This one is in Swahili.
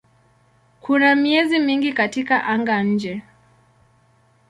Kuna miezi mingi katika anga-nje.